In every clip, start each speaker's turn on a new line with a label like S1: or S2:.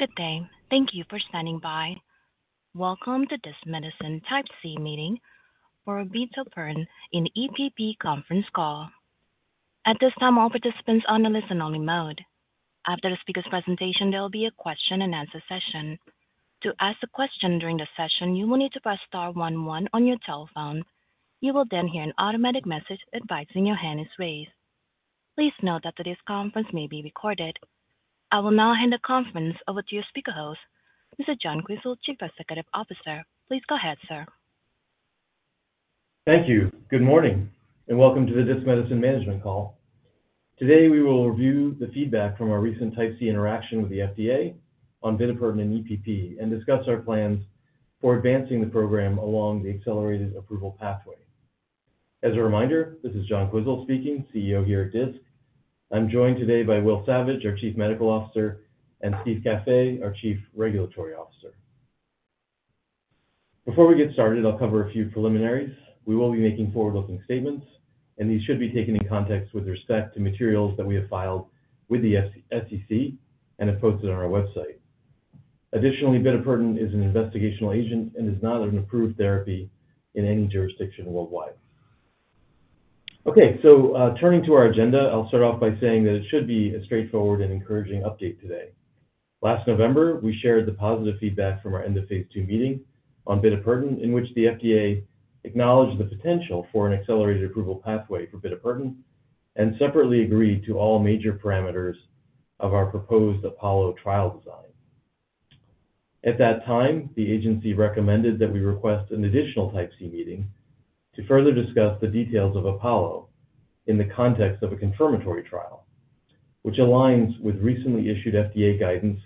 S1: Good day. Thank you for standing by. Welcome to the Disc Medicine Type C meeting for bitopertin in EPP conference call. At this time, all participants are in listen-only mode. After the speaker's presentation, there will be a question-and-answer session. To ask a question during the session, you will need to press *11 on your telephone. You will then hear an automatic message advising your hand is raised. Please note that this conference may be recorded. I will now hand the conference over to your speaker host, Mr. John Quisel, Chief Executive Officer. Please go ahead, sir.
S2: Thank you. Good morning and welcome to the Disc Medicine Management Call. Today, we will review the feedback from our recent Type C interaction with the FDA on bitopertin and EPP and discuss our plans for advancing the program along the accelerated approval pathway. As a reminder, this is John Quisel speaking, CEO here at Disc. I'm joined today by Will Savage, our Chief Medical Officer, and Steve Caffé, our Chief Regulatory Officer. Before we get started, I'll cover a few preliminaries. We will be making forward-looking statements, and these should be taken in context with respect to materials that we have filed with the SEC and have posted on our website. Additionally, bitopertin is an investigational agent and is not an approved therapy in any jurisdiction worldwide. Okay, so turning to our agenda, I'll start off by saying that it should be a straightforward and encouraging update today. Last November, we shared the positive feedback from our end of phase II meeting on bitopertin, in which the FDA acknowledged the potential for an accelerated approval pathway for bitopertin and separately agreed to all major parameters of our proposed APOLLO trial design. At that time, the agency recommended that we request an additional Type C meeting to further discuss the details of APOLLO in the context of a confirmatory trial, which aligns with recently issued FDA guidance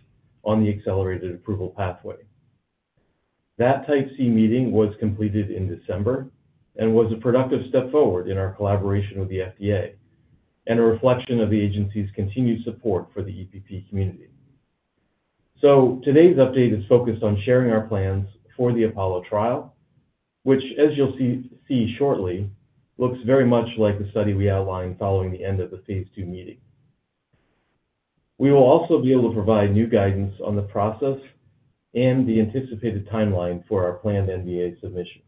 S2: on the accelerated approval pathway. That Type C meeting was completed in December and was a productive step forward in our collaboration with the FDA and a reflection of the agency's continued support for the EPP community. So today's update is focused on sharing our plans for the APOLLO trial, which, as you'll see shortly, looks very much like the study we outlined following the end of the phase II meeting. We will also be able to provide new guidance on the process and the anticipated timeline for our planned NDA submission.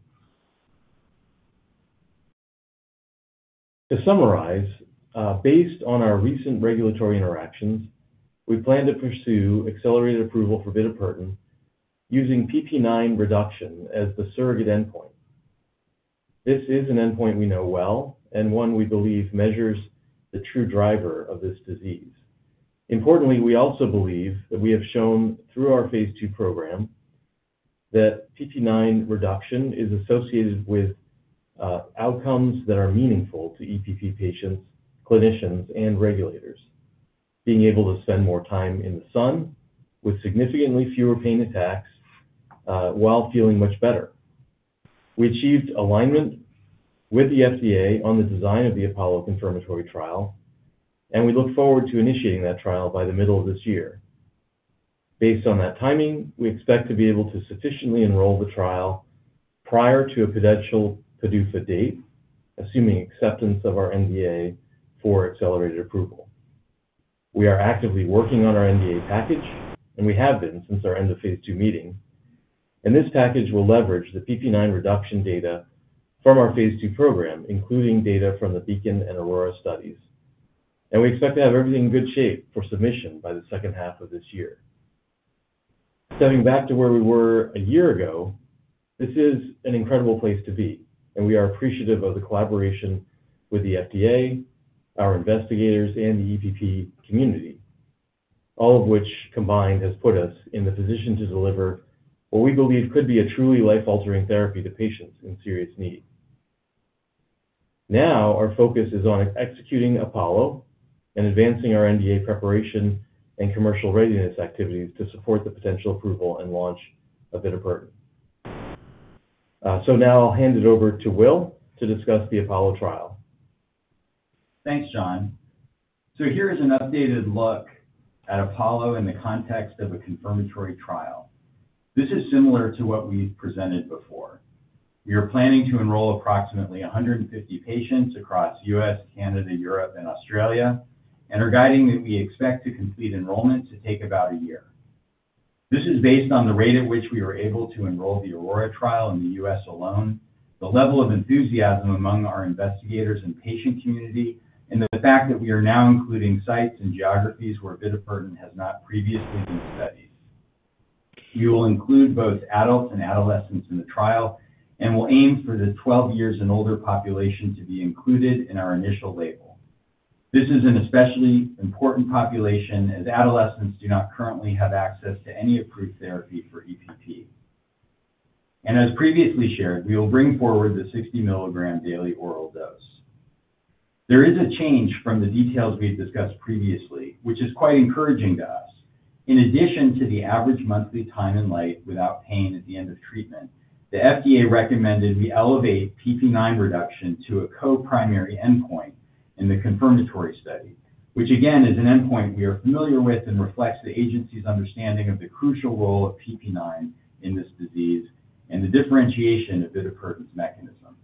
S2: To summarize, based on our recent regulatory interactions, we plan to pursue accelerated approval for bitopertin using PPIX reduction as the surrogate endpoint. This is an endpoint we know well and one we believe measures the true driver of this disease. Importantly, we also believe that we have shown through our phase II program that PPIX reduction is associated with outcomes that are meaningful to EPP patients, clinicians, and regulators, being able to spend more time in the sun with significantly fewer pain attacks while feeling much better. We achieved alignment with the FDA on the design of the APOLLO confirmatory trial, and we look forward to initiating that trial by the middle of this year. Based on that timing, we expect to be able to sufficiently enroll the trial prior to a potential PDUFA date, assuming acceptance of our NDA for accelerated approval. We are actively working on our NDA package, and we have been since our end of phase II meeting. This package will leverage the PPIX reduction data from our phase II program, including data from the BEACON and AURORA studies. We expect to have everything in good shape for submission by the second half of this year. Stepping back to where we were a year ago, this is an incredible place to be, and we are appreciative of the collaboration with the FDA, our investigators, and the EPP community, all of which combined has put us in the position to deliver what we believe could be a truly life-altering therapy to patients in serious need. Now our focus is on executing APOLLO and advancing our NDA preparation and commercial readiness activities to support the potential approval and launch of bitopertin. So now I'll hand it over to Will to discuss the APOLLO trial. Thanks, John. So here is an updated look at APOLLO in the context of a confirmatory trial. This is similar to what we've presented before. We are planning to enroll approximately 150 patients across the U.S., Canada, Europe, and Australia, and our guiding that we expect to complete enrollment to take about a year. This is based on the rate at which we were able to enroll the AURORA trial in the U.S. alone, the level of enthusiasm among our investigators and patient community, and the fact that we are now including sites and geographies where bitopertin has not previously been studied. We will include both adults and adolescents in the trial and will aim for the 12 years and older population to be included in our initial label. This is an especially important population as adolescents do not currently have access to any approved therapy for EPP. And as previously shared, we will bring forward the 60-milligram daily oral dose. There is a change from the details we've discussed previously, which is quite encouraging to us. In addition to the average monthly time in light without pain at the end of treatment, the FDA recommended we elevate PPIX reduction to a co-primary endpoint in the confirmatory study, which again is an endpoint we are familiar with and reflects the agency's understanding of the crucial role of PPIX in this disease and the differentiation of bitopertin's mechanism.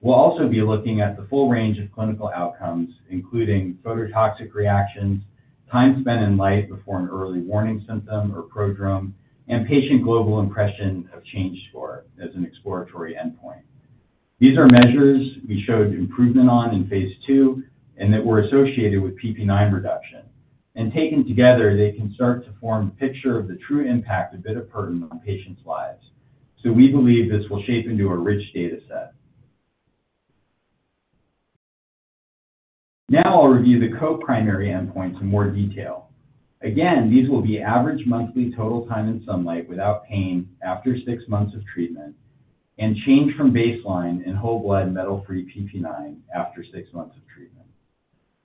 S2: We'll also be looking at the full range of clinical outcomes, including phototoxic reactions, time spent in light before an early warning symptom or prodrome, and patient global impression of change score as an exploratory endpoint. These are measures we showed improvement on in phase II and that were associated with PPIX reduction. And taken together, they can start to form a picture of the true impact of bitopertin on patients' lives. So we believe this will shape into a rich data set. Now I'll review the co-primary endpoint in more detail. Again, these will be average monthly total time in sunlight without pain after six months of treatment and change from baseline in whole blood metal-free PPIX after six months of treatment.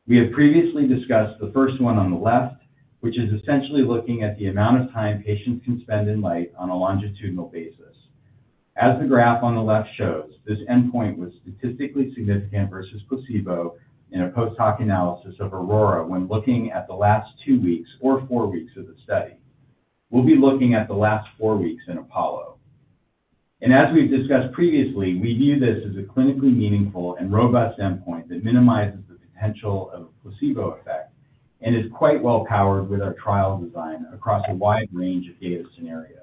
S2: We have previously discussed the first one on the left, which is essentially looking at the amount of time patients can spend in light on a longitudinal basis. As the graph on the left shows, this endpoint was statistically significant versus placebo in a post-hoc analysis of AURORA when looking at the last two weeks or four weeks of the study. We'll be looking at the last four weeks in APOLLO. And as we've discussed previously, we view this as a clinically meaningful and robust endpoint that minimizes the potential of a placebo effect and is quite well powered with our trial design across a wide range of data scenarios.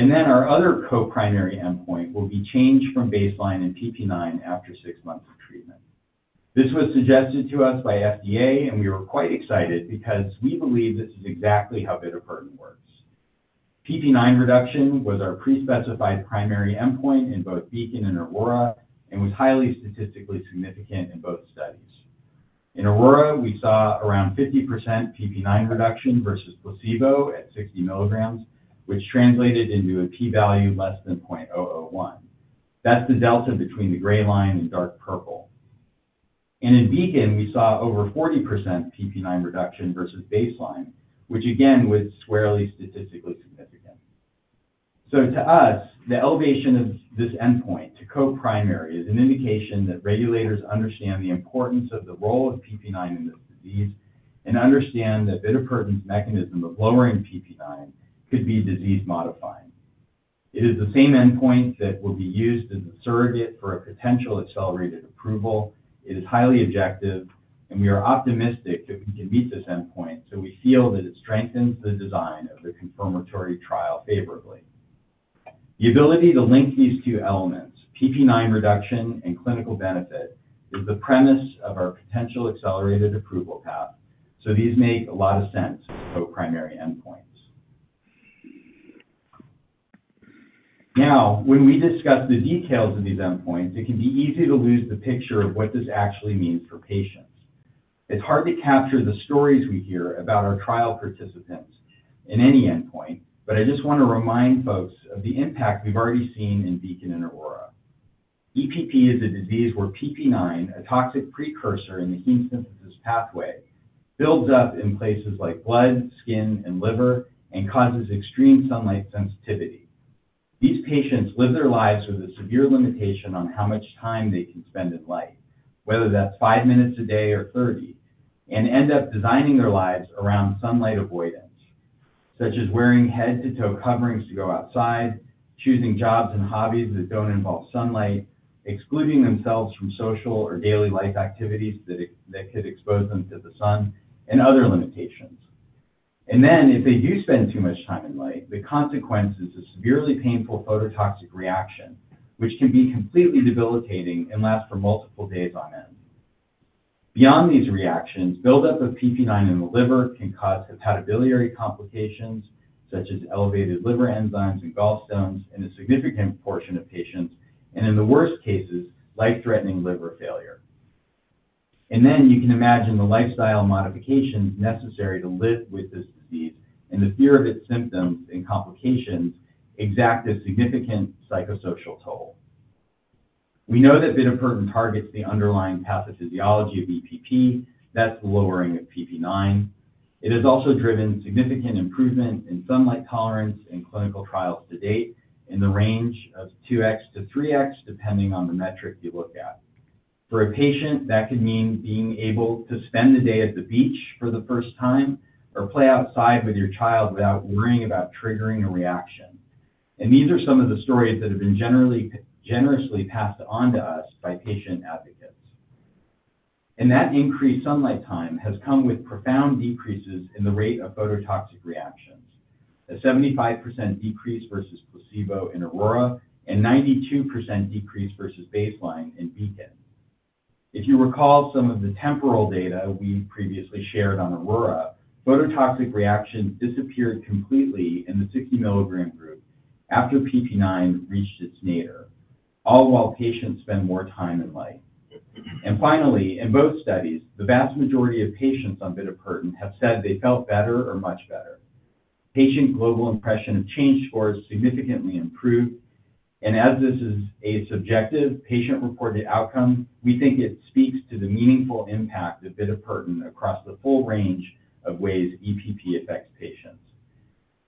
S2: And then our other co-primary endpoint will be change from baseline in PPIX after six months of treatment. This was suggested to us by FDA, and we were quite excited because we believe this is exactly how bitopertin works. PPIX reduction was our pre-specified primary endpoint in both BEACON and AURORA and was highly statistically significant in both studies. In AURORA, we saw around 50% PPIX reduction versus placebo at 60 milligrams, which translated into a p-value less than 0.001. That's the delta between the gray line and dark purple. And in BEACON, we saw over 40% PPIX reduction versus baseline, which again was squarely statistically significant. To us, the elevation of this endpoint to co-primary is an indication that regulators understand the importance of the role of PPIX in this disease and understand that bitopertin's mechanism of lowering PPIX could be disease-modifying. It is the same endpoint that will be used as a surrogate for a potential accelerated approval. It is highly objective, and we are optimistic that we can meet this endpoint, so we feel that it strengthens the design of the confirmatory trial favorably. The ability to link these two elements, PPIX reduction and clinical benefit, is the premise of our potential accelerated approval path. So these make a lot of sense as co-primary endpoints. Now, when we discuss the details of these endpoints, it can be easy to lose the picture of what this actually means for patients. It's hard to capture the stories we hear about our trial participants in any endpoint, but I just want to remind folks of the impact we've already seen in Beacon and AURORA. EPP is a disease where PPIX, a toxic precursor in the heme synthesis pathway, builds up in places like blood, skin, and liver and causes extreme sunlight sensitivity. These patients live their lives with a severe limitation on how much time they can spend in light, whether that's five minutes a day or 30, and end up designing their lives around sunlight avoidance, such as wearing head-to-toe coverings to go outside, choosing jobs and hobbies that don't involve sunlight, excluding themselves from social or daily life activities that could expose them to the sun, and other limitations. Then if they do spend too much time in light, the consequence is a severely painful phototoxic reaction, which can be completely debilitating and last for multiple days on end. Beyond these reactions, buildup of PPIX in the liver can cause hepatobiliary complications such as elevated liver enzymes and gallstones in a significant portion of patients, and in the worst cases, life-threatening liver failure. You can imagine the lifestyle modifications necessary to live with this disease and the fear of its symptoms and complications exact a significant psychosocial toll. We know that bitopertin targets the underlying pathophysiology of EPP. That's the lowering of PPIX. It has also driven significant improvement in sunlight tolerance in clinical trials to date in the range of 2x-3x, depending on the metric you look at. For a patient, that could mean being able to spend the day at the beach for the first time or play outside with your child without worrying about triggering a reaction, and these are some of the stories that have been generously passed on to us by patient advocates, and that increased sunlight time has come with profound decreases in the rate of phototoxic reactions, a 75% decrease versus placebo in AURORA and 92% decrease versus baseline in BEACON. If you recall some of the temporal data we previously shared on AURORA, phototoxic reactions disappeared completely in the 60 mg group after PPIX reached its nadir, all while patients spend more time in light, and finally, in both studies, the vast majority of patients on bitopertin have said they felt better or much better. Patient Global Impression of Change scores significantly improved. And as this is a subjective patient-reported outcome, we think it speaks to the meaningful impact of bitopertin across the full range of ways EPP affects patients.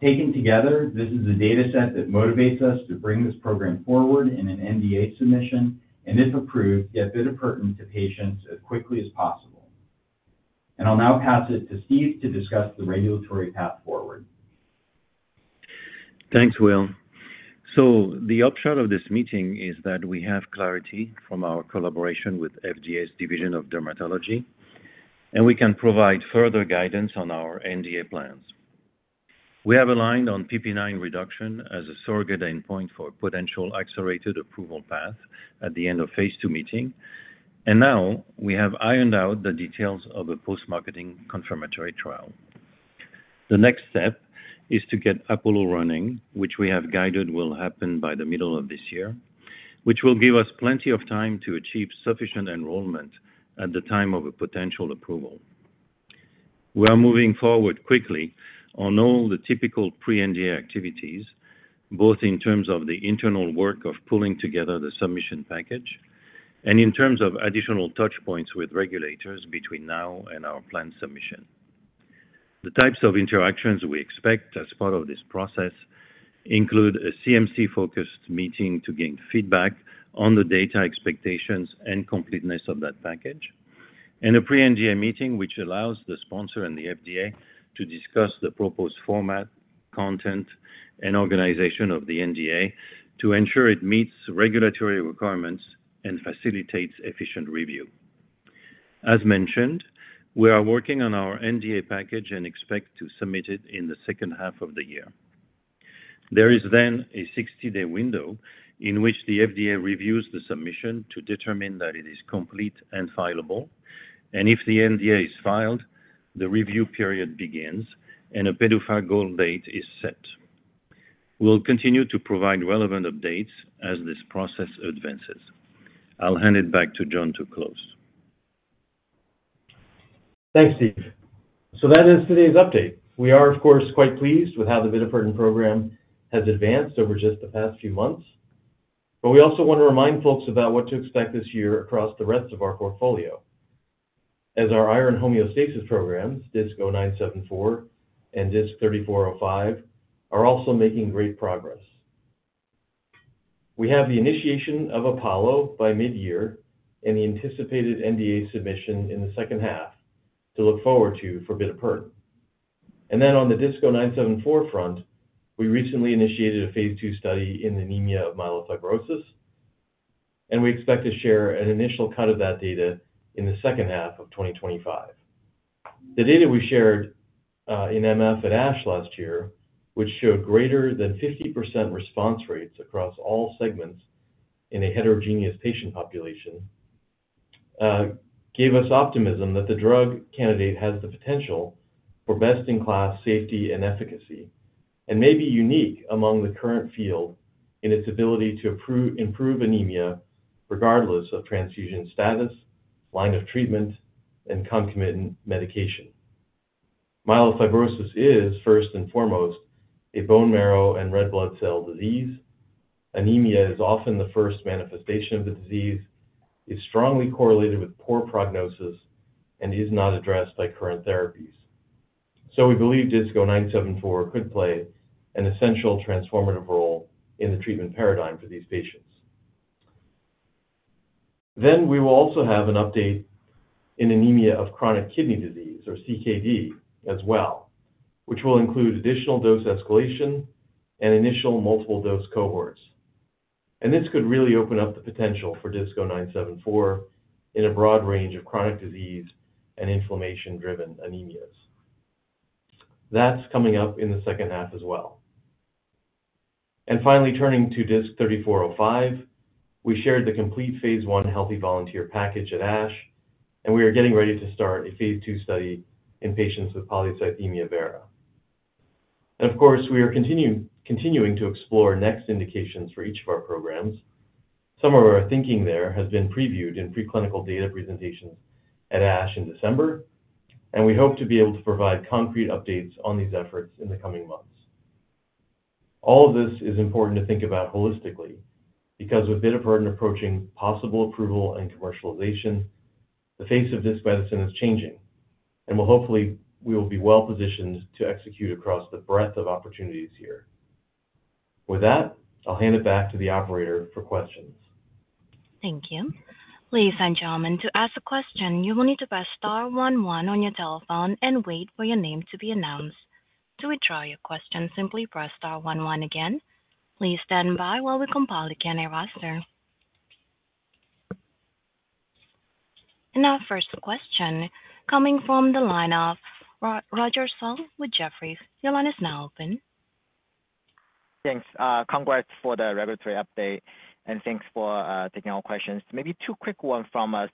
S2: Taken together, this is a data set that motivates us to bring this program forward in an NDA submission and, if approved, get bitopertin to patients as quickly as possible. And I'll now pass it to Steve to discuss the regulatory path forward.
S3: Thanks, Will. So the upshot of this meeting is that we have clarity from our collaboration with FDA's Division of Dermatology, and we can provide further guidance on our NDA plans. We have aligned on PPIX reduction as a surrogate endpoint for a potential accelerated approval path at the end of phase II meeting. And now we have ironed out the details of a post-marketing confirmatory trial. The next step is to get APOLLO running, which we have guided will happen by the middle of this year, which will give us plenty of time to achieve sufficient enrollment at the time of a potential approval. We are moving forward quickly on all the typical pre-NDA activities, both in terms of the internal work of pulling together the submission package and in terms of additional touch points with regulators between now and our planned submission. The types of interactions we expect as part of this process include a CMC-focused meeting to gain feedback on the data expectations and completeness of that package, and a pre-NDA meeting which allows the sponsor and the FDA to discuss the proposed format, content, and organization of the NDA to ensure it meets regulatory requirements and facilitates efficient review. As mentioned, we are working on our NDA package and expect to submit it in the second half of the year. There is then a 60-day window in which the FDA reviews the submission to determine that it is complete and filable. If the NDA is filed, the review period begins and a PDUFA goal date is set. We'll continue to provide relevant updates as this process advances. I'll hand it back to John to close.
S2: Thanks, Steve. So that is today's update. We are, of course, quite pleased with how the bitopertin program has advanced over just the past few months. But we also want to remind folks about what to expect this year across the rest of our portfolio, as our iron homeostasis programs, DISC-0974 and DISC-3405, are also making great progress. We have the initiation of APOLLO by mid-year and the anticipated NDA submission in the second half to look forward to for Bitopertin. And then on the DISC-0974 front, we recently initiated a phase II study in anemia of myelofibrosis, and we expect to share an initial cut of that data in the second half of 2025. The data we shared in MF at ASH last year, which showed greater than 50% response rates across all segments in a heterogeneous patient population, gave us optimism that the drug candidate has the potential for best-in-class safety and efficacy and may be unique among the current field in its ability to improve anemia regardless of transfusion status, line of treatment, and concomitant medication. Myelofibrosis is, first and foremost, a bone marrow and red blood cell disease. Anemia is often the first manifestation of the disease, is strongly correlated with poor prognosis, and is not addressed by current therapies. So we believe DISC-0974 could play an essential transformative role in the treatment paradigm for these patients. Then we will also have an update in anemia of chronic kidney disease, or CKD, as well, which will include additional dose escalation and initial multiple dose cohorts. And this could really open up the potential for DISC-0974 in a broad range of chronic disease and inflammation-driven anemias. That's coming up in the second half as well. And finally, turning to DISC-3405, we shared the complete phase I Healthy Volunteer package at ASH, and we are getting ready to start a phase II study in patients with polycythemia vera. And of course, we are continuing to explore next indications for each of our programs. Some of our thinking there has been previewed in preclinical data presentations at ASH in December, and we hope to be able to provide concrete updates on these efforts in the coming months. All of this is important to think about holistically because with bitopertin approaching possible approval and commercialization, the face of this medicine is changing, and hopefully we will be well positioned to execute across the breadth of opportunities here. With that, I'll hand it back to the operator for questions.
S1: Thank you. Please enter your comment to ask a question. You will need to press star one one on your telephone and wait for your name to be announced. To withdraw your question, simply press star one one again. Please stand by while we compile the Q&A roster. Our first question coming from the line of Roger Song with Jefferies. Your line is now open.
S4: Thanks. Congrats for the regulatory update, and thanks for taking our questions. Maybe two quick ones from us.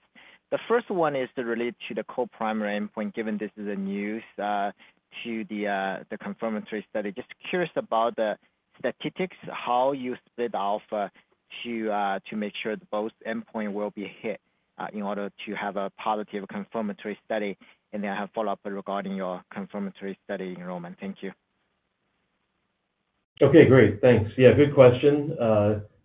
S4: The first one is related to the co-primary endpoint, given this is new to the confirmatory study. Just curious about the statistics, how you split off to make sure both endpoints will be hit in order to have a positive confirmatory study, and then have follow-up regarding your confirmatory study enrollment. Thank you.
S2: Okay, great. Thanks. Yeah, good question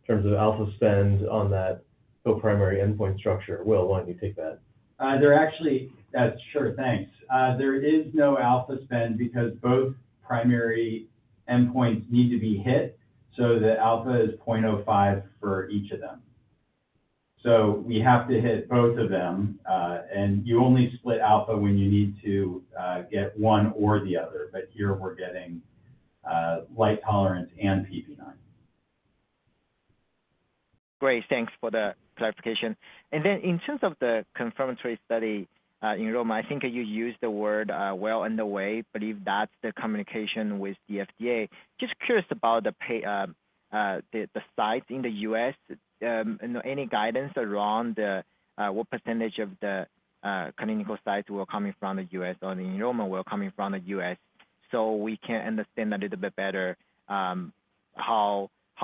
S2: in terms of alpha spend on that co-primary endpoint structure. Will, why don't you take that?
S5: There actually, that's true. Thanks. There is no alpha spend because both primary endpoints need to be hit, so the alpha is 0.05 for each of them. So we have to hit both of them, and you only split alpha when you need to get one or the other. But here we're getting light tolerance and PPIX.
S4: Great. Thanks for the clarification. And then in terms of the confirmatory study enrollment, I think you used the word well underway. I believe that's the communication with the FDA. Just curious about the sites in the U.S., any guidance around what percentage of the clinical sites were coming from the U.S. or the enrollment were coming from the U.S. so we can understand a little bit better how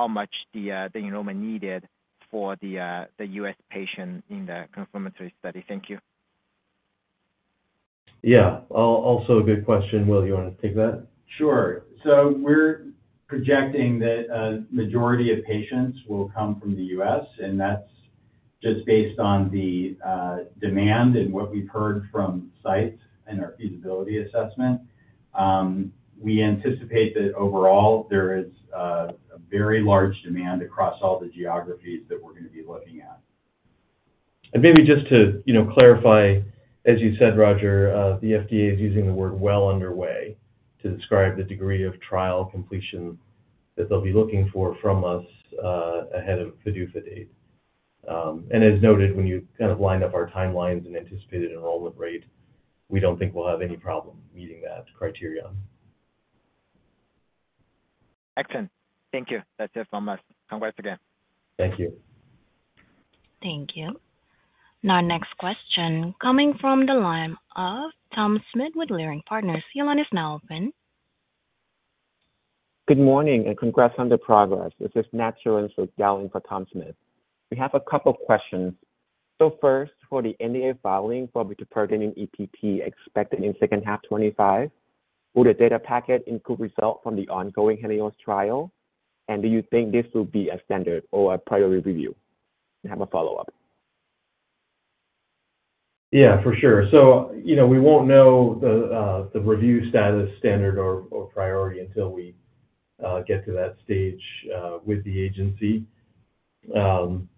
S4: much the enrollment needed for the U.S. patient in the confirmatory study? Thank you.
S2: Yeah. Also, a good question. Will, you want to take that?
S5: Sure. So we're projecting that a majority of patients will come from the U.S., and that's just based on the demand and what we've heard from sites and our feasibility assessment. We anticipate that overall there is a very large demand across all the geographies that we're going to be looking at.
S2: Maybe just to clarify, as you said, Roger, the FDA is using the word well underway to describe the degree of trial completion that they'll be looking for from us ahead of PDUFA date. As noted, when you kind of line up our timelines and anticipated enrollment rate, we don't think we'll have any problem meeting that criterion.
S4: Excellent. Thank you. That's it from us. Congrats again.
S2: Thank you.
S1: Thank you. Now, next question coming from the line of Tom Smith with Leerink Partners. Your line is now open.
S6: Good morning and congrats on the progress. This is Matt Sterling with Leerink for Tom Smith. We have a couple of questions. So first, for the NDA filing for bitopertin and EPP expected in second half 2025, will the data packet include results from the ongoing HELIOS trial, and do you think this will be a standard or a priority review? I have a follow-up.
S2: Yeah, for sure. So we won't know the review status, standard, or priority until we get to that stage with the agency. And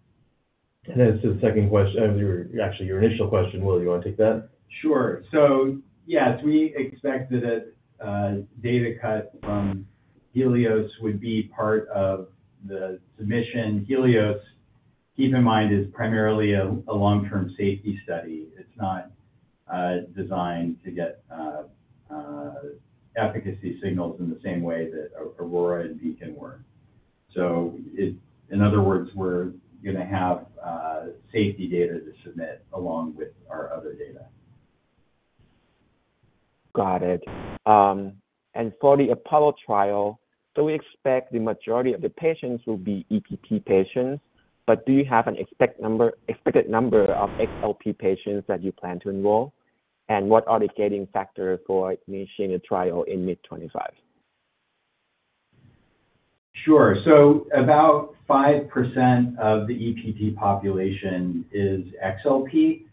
S2: then it's the second question, actually, your initial question, Will, you want to take that?
S5: Sure. So yes, we expect that a data cut from HELIOS would be part of the submission. HELIOS, keep in mind, is primarily a long-term safety study. It's not designed to get efficacy signals in the same way that AURORA and Beacon were. So in other words, we're going to have safety data to submit along with our other data.
S6: Got it. And for the APOLLO trial, do we expect the majority of the patients will be EPP patients, but do you have an expected number of XLP patients that you plan to enroll, and what are the gating factors for initiating the trial in mid-2025?
S5: Sure. So about 5% of the EPP population is XLP.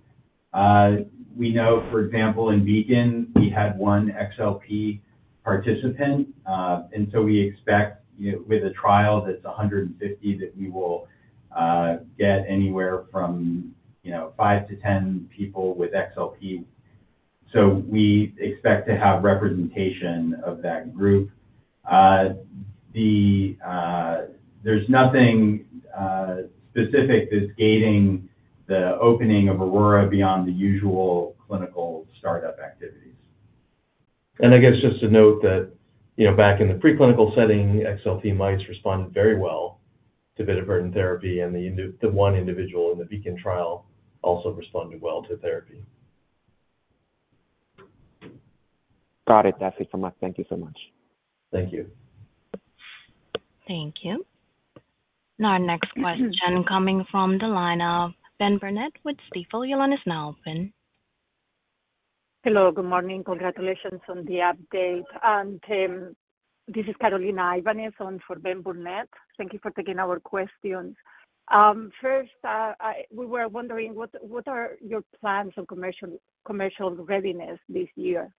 S5: We know, for example, in BEACON, we had one XLP participant. And so we expect with a trial that's 150 that we will get anywhere from 5-10 people with XLP. So we expect to have representation of that group. There's nothing specific that's gating the opening of AURORA beyond the usual clinical startup activities.
S2: I guess just to note that back in the preclinical setting, XLP mice responded very well to bitopertin therapy, and the one individual in the BEACON trial also responded well to therapy.
S6: Got it. That's it from us. Thank you so much. Thank you.
S1: Thank you. Now, next question coming from the line of Ben Burnett with Stifel. Your line is now open.
S7: Hello. Good morning. Congratulations on the update. And this is Carolina Ibanez on for Ben Burnett. Thank you for taking our questions. First, we were wondering what are your plans on commercial readiness this year?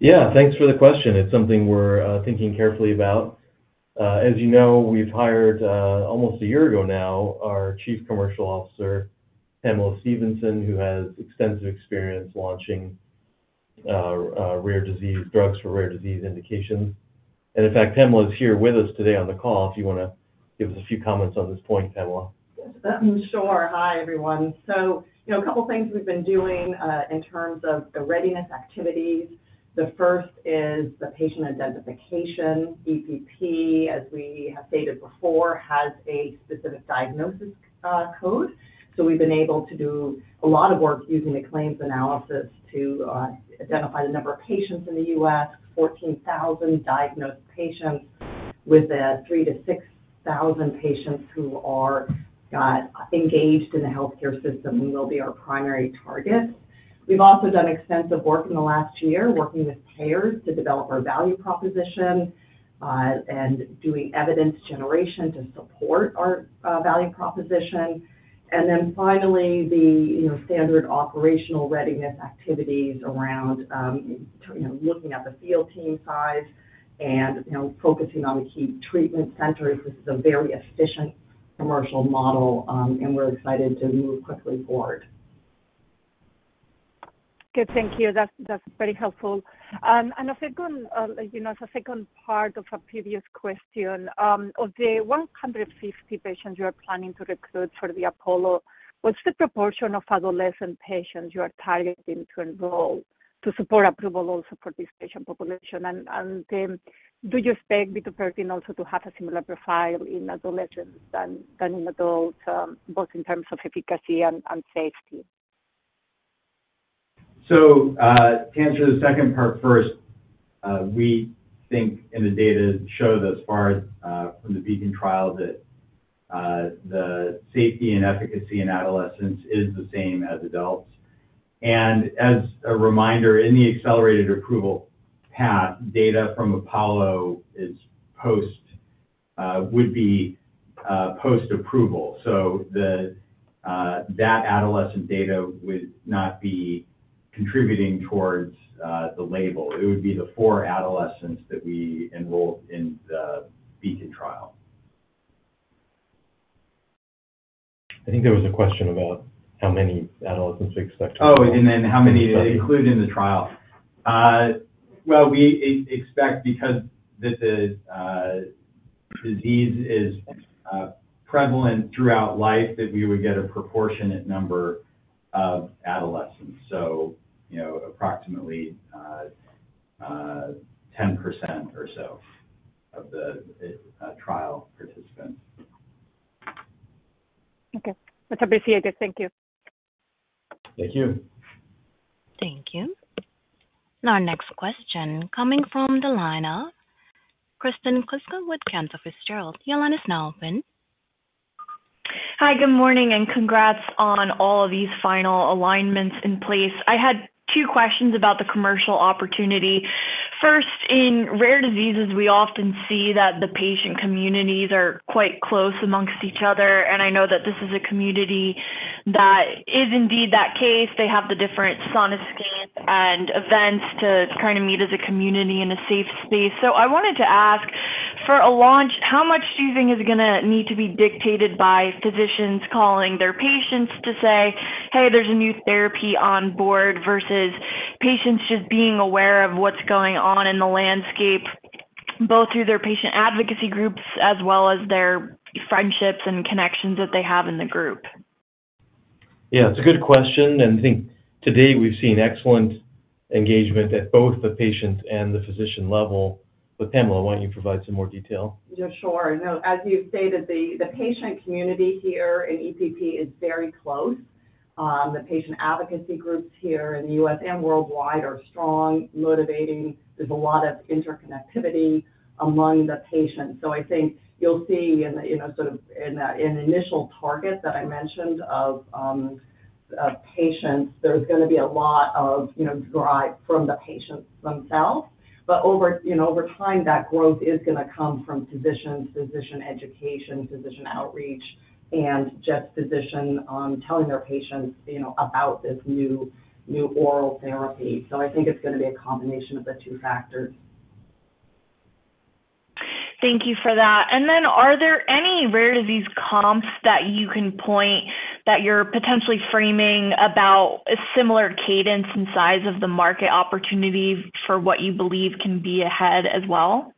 S2: Yeah. Thanks for the question. It's something we're thinking carefully about. As you know, we've hired almost a year ago now our Chief Commercial Officer, Pamela Stephenson, who has extensive experience launching rare disease drugs for rare disease indications. And in fact, Pamela is here with us today on the call if you want to give us a few comments on this point, Pamela.
S8: Sure. Hi, everyone. So a couple of things we've been doing in terms of the readiness activities. The first is the patient identification. EPP, as we have stated before, has a specific diagnosis code. So we've been able to do a lot of work using the claims analysis to identify the number of patients in the U.S., 14,000 diagnosed patients with 3,000 to 6,000 patients who are engaged in the healthcare system and will be our primary target. We've also done extensive work in the last year working with payers to develop our value proposition and doing evidence generation to support our value proposition. And then finally, the standard operational readiness activities around looking at the field team size and focusing on the key treatment centers. This is a very efficient commercial model, and we're excited to move quickly forward.
S7: Good. Thank you. That's very helpful. And as a second part of a previous question, of the 150 patients you are planning to recruit for the APOLLO, what's the proportion of adolescent patients you are targeting to enroll to support approval also for this patient population? And do you expect bitopertin also to have a similar profile in adolescents than in adults, both in terms of efficacy and safety?
S5: So to answer the second part first, we think, and the data showed us from the BEACON trial that the safety and efficacy in adolescents is the same as adults. And as a reminder, in the accelerated approval path, data from APOLLO would be post-approval. So that adolescent data would not be contributing towards the label. It would be the four adolescents that we enrolled in the BEACON trial.
S2: I think there was a question about how many adolescents we expect to enroll.
S5: Oh, and then, how many to include in the trial? Well, we expect, because the disease is prevalent throughout life, that we would get a proportionate number of adolescents, so approximately 10% or so of the trial participants.
S7: Okay. That's appreciated. Thank you.
S5: Thank you.
S1: Thank you. Now, next question coming from the line of Kristen Kluska with Cantor Fitzgerald. Your line is now open.
S9: Hi, good morning, and congrats on all of these final alignments in place. I had two questions about the commercial opportunity. First, in rare diseases, we often see that the patient communities are quite close amongst each other, and I know that this is a community that is indeed that case. They have the different sonoscans and events to kind of meet as a community in a safe space. So I wanted to ask, for a launch, how much do you think is going to need to be dictated by physicians calling their patients to say, "Hey, there's a new therapy on board," versus patients just being aware of what's going on in the landscape, both through their patient advocacy groups as well as their friendships and connections that they have in the group?
S2: Yeah. It's a good question. And I think today we've seen excellent engagement at both the patient and the physician level. But Pamela, why don't you provide some more detail?
S8: Yeah, sure. As you stated, the patient community here in EPP is very close. The patient advocacy groups here in the U.S. and worldwide are strong, motivating. There's a lot of interconnectivity among the patients. So I think you'll see in sort of an initial target that I mentioned of patients, there's going to be a lot of drive from the patients themselves. But over time, that growth is going to come from physicians, physician education, physician outreach, and just physician telling their patients about this new oral therapy. So I think it's going to be a combination of the two factors.
S9: Thank you for that. And then are there any rare disease comps that you can point that you're potentially framing about a similar cadence and size of the market opportunity for what you believe can be ahead as well?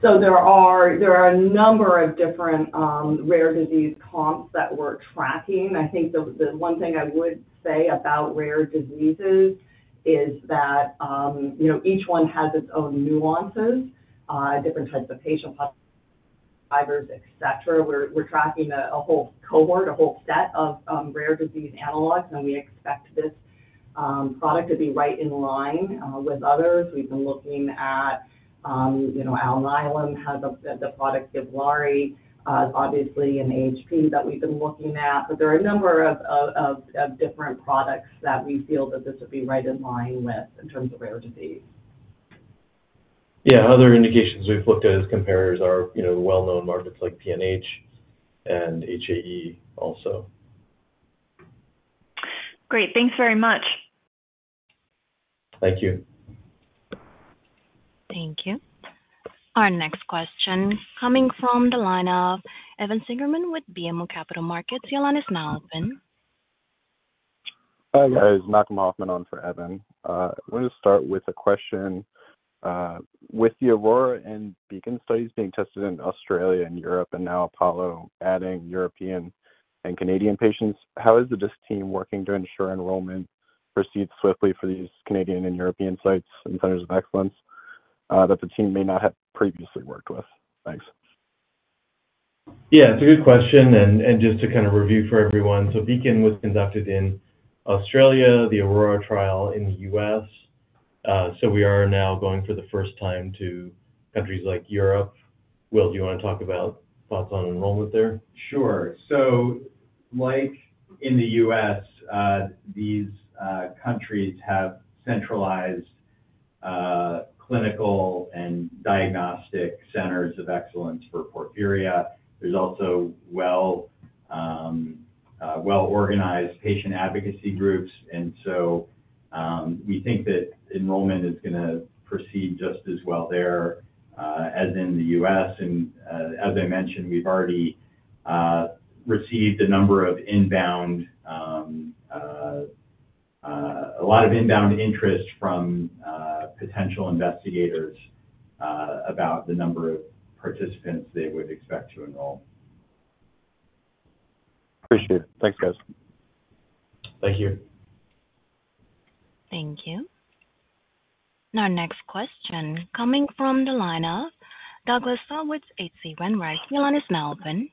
S8: So there are a number of different rare disease comps that we're tracking. I think the one thing I would say about rare diseases is that each one has its own nuances, different types of patients, drivers, etc. We're tracking a whole cohort, a whole set of rare disease analogs, and we expect this product to be right in line with others. We've been looking at Alnylam, the product Givlaari, obviously an AHP that we've been looking at. But there are a number of different products that we feel that this would be right in line with in terms of rare disease.
S2: Yeah. Other indications we've looked at as comparers are well-known markets like PNH and HAE also.
S9: Great. Thanks very much.
S2: Thank you.
S1: Thank you. Our next question coming from the line of Evan Seigerman with BMO Capital Markets. Your line is now open.
S10: Hi, guys. Malcolm Hoffman on for Evan. I wanted to start with a question. With the AURORA and BEACON studies being tested in Australia and Europe and now APOLLO adding European and Canadian patients, how is the DISC team working to ensure enrollment proceeds swiftly for these Canadian and European sites and centers of excellence that the team may not have previously worked with? Thanks.
S2: Yeah. It's a good question. And just to kind of review for everyone, so BEACON was conducted in Australia, the AURORA trial in the US. So we are now going for the first time to countries like Europe. Will, do you want to talk about thoughts on enrollment there?
S5: Sure. So like in the U.S., these countries have centralized clinical and diagnostic centers of excellence for porphyria. There's also well-organized patient advocacy groups. And so we think that enrollment is going to proceed just as well there as in the U.S. And as I mentioned, we've already received a number of inbound, a lot of inbound interest from potential investigators about the number of participants they would expect to enroll.
S10: Appreciate it. Thanks, guys.
S5: Thank you.
S1: Thank you. Now, next question coming from the line of Douglas Tsao's H.C. Wainwright. Your line is now open.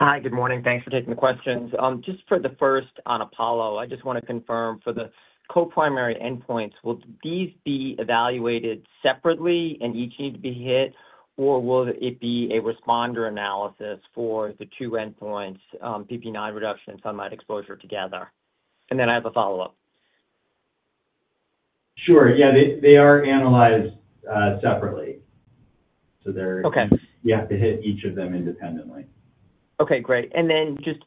S11: Hi, good morning. Thanks for taking the questions. Just for the first on APOLLO, I just want to confirm for the co-primary endpoints, will these be evaluated separately and each need to be hit, or will it be a responder analysis for the two endpoints, PPIX reduction and sunlight exposure together? And then I have a follow-up.
S5: Sure. Yeah. They are analyzed separately. So you have to hit each of them independently.
S11: Okay. Great. And then just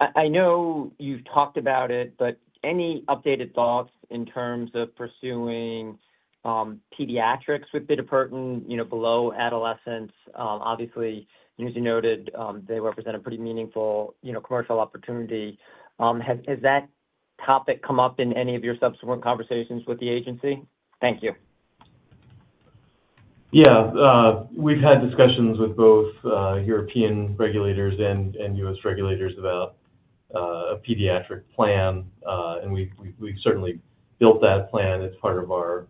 S11: I know you've talked about it, but any updated thoughts in terms of pursuing pediatrics with bitopertin below adolescents? Obviously, as you noted, they represent a pretty meaningful commercial opportunity. Has that topic come up in any of your subsequent conversations with the agency? Thank you.
S2: Yeah. We've had discussions with both European regulators and U.S. regulators about a pediatric plan. And we've certainly built that plan as part of our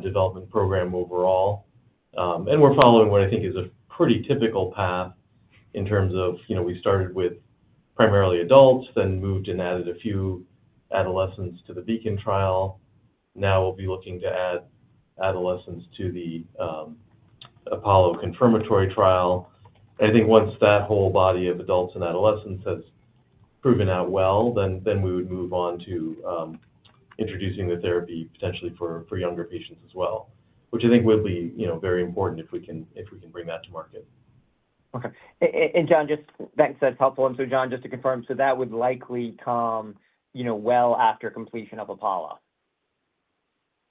S2: development program overall. And we're following what I think is a pretty typical path in terms of we started with primarily adults, then moved and added a few adolescents to the BEACON trial. Now we'll be looking to add adolescents to the APOLLO confirmatory trial. And I think once that whole body of adults and adolescents has proven out well, then we would move on to introducing the therapy potentially for younger patients as well, which I think would be very important if we can bring that to market.
S11: Okay. And John, just thanks. That's helpful. And so, John, just to confirm, so that would likely come well after completion of APOLLO?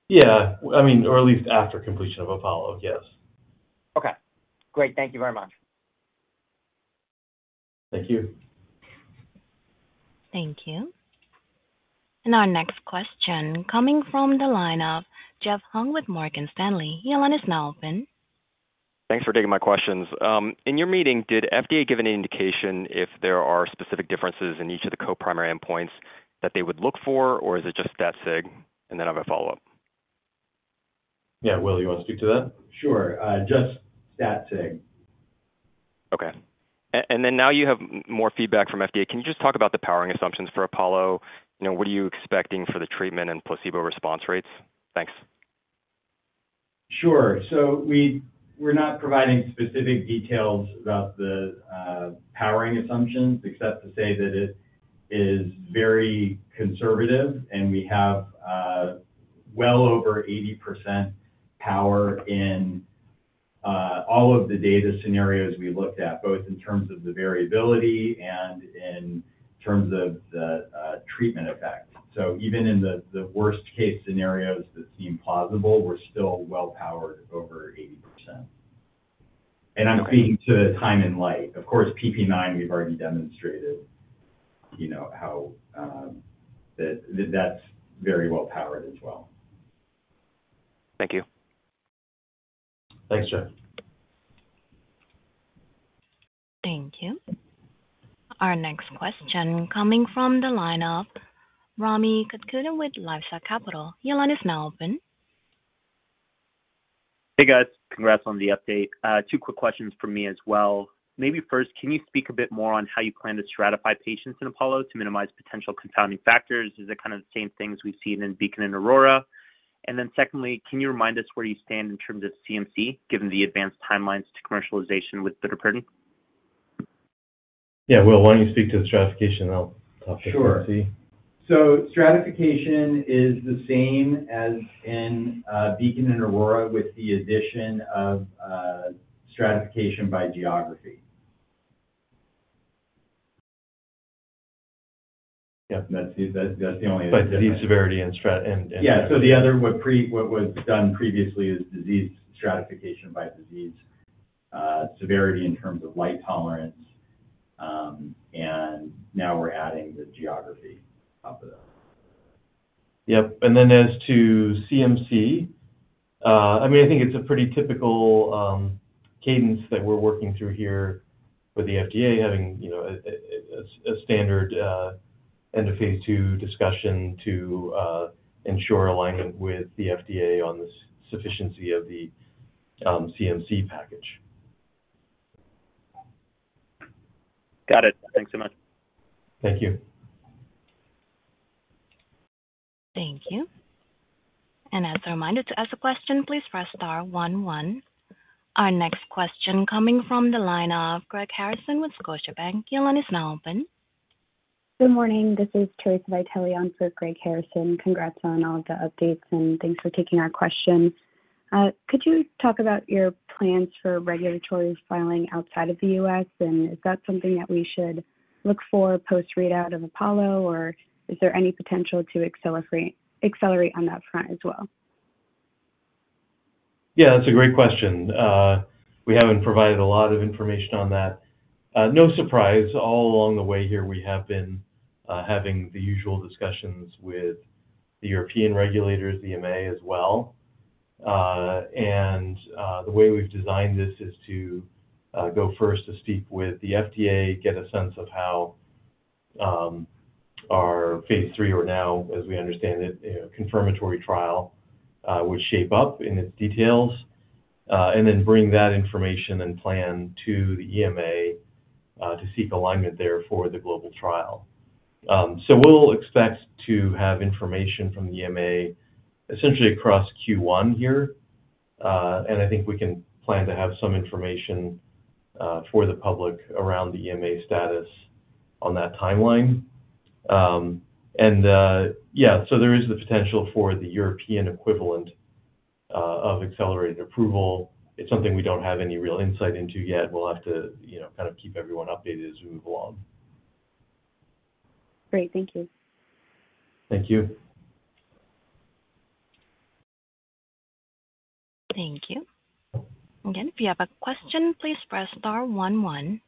S2: Yeah. I mean, or at least after completion of APOLLO, yes.
S11: Okay. Great. Thank you very much.
S2: Thank you.
S1: Thank you. And our next question coming from the line of Jeff Hung with Morgan Stanley. Your line is now open.
S12: Thanks for taking my questions. In your meeting, did FDA give any indication if there are specific differences in each of the co-primary endpoints that they would look for, or is it just stat-sig? And then I have a follow-up.
S2: Yeah. Will, you want to speak to that?
S5: Sure. Just stat-sig.
S12: Okay, and then now you have more feedback from FDA. Can you just talk about the powering assumptions for APOLLO? What are you expecting for the treatment and placebo response rates? Thanks.
S5: Sure. So we're not providing specific details about the powering assumptions except to say that it is very conservative, and we have well over 80% power in all of the data scenarios we looked at, both in terms of the variability and in terms of the treatment effect. So even in the worst-case scenarios that seem plausible, we're still well-powered over 80%. And I'm speaking to the time in light. Of course, PPIX, we've already demonstrated that that's very well-powered as well.
S12: Thank you.
S5: Thanks, Jeff.
S1: Thank you. Our next question coming from the line of Rami Katkhuda with LifeSci Capital. Your line is now open.
S13: Hey, guys. Congrats on the update. Two quick questions for me as well. Maybe first, can you speak a bit more on how you plan to stratify patients in APOLLO to minimize potential confounding factors? Is it kind of the same things we've seen in BEACON and AURORA? And then secondly, can you remind us where you stand in terms of CMC given the advanced timelines to commercialization with bitopertin?
S2: Yeah. Will, why don't you speak to the stratification? I'll talk to CMC.
S5: Sure. So stratification is the same as in BEACON and AURORA with the addition of stratification by geography.
S2: Yep. That's the only.
S5: but disease severity and.
S2: Yeah. So the other what was done previously is disease stratification by disease severity in terms of light tolerance. And now we're adding the geography on top of that.
S5: Yep. And then as to CMC, I mean, I think it's a pretty typical cadence that we're working through here with the FDA, having a standard end-of-phase two discussion to ensure alignment with the FDA on the sufficiency of the CMC package.
S13: Got it. Thanks so much.
S2: Thank you.
S1: Thank you. And as a reminder to ask a question, please press star one one. Our next question coming from the line of Greg Harrison with Scotiabank. Your line is now open.
S14: Good morning. This is Teresa Vitale on for Greg Harrison. Congrats on all of the updates, and thanks for taking our question. Could you talk about your plans for regulatory filing outside of the U.S.? And is that something that we should look for post-readout of APOLLO, or is there any potential to accelerate on that front as well?
S2: Yeah. That's a great question. We haven't provided a lot of information on that. No surprise. All along the way here, we have been having the usual discussions with the European regulators, the EMA as well. And the way we've designed this is to go first to speak with the FDA, get a sense of how our phase three or now, as we understand it, confirmatory trial would shape up in its details, and then bring that information and plan to the EMA to seek alignment there for the global trial. So we'll expect to have information from the EMA essentially across Q1 here. And I think we can plan to have some information for the public around the EMA status on that timeline. And yeah, so there is the potential for the European equivalent of accelerated approval. It's something we don't have any real insight into yet. We'll have to kind of keep everyone updated as we move along.
S14: Great. Thank you.
S2: Thank you.
S1: Thank you. Again, if you have a question, please press star one one.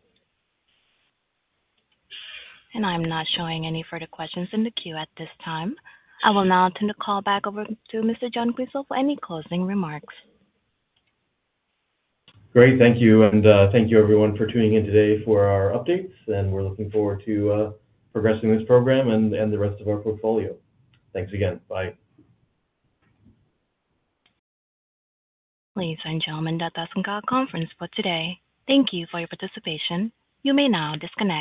S1: And I'm not showing any further questions in the queue at this time. I will now turn the call back over to Mr. John Quisel for any closing remarks.
S2: Great. Thank you. And thank you, everyone, for tuning in today for our updates. And we're looking forward to progressing this program and the rest of our portfolio. Thanks again. Bye.
S1: Ladies and gentlemen, that does conclude our conference for today. Thank you for your participation. You may now disconnect.